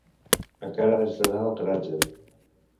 Encara haig d'anar al garatge.